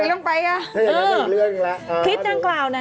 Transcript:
โอเคโอเคโอเค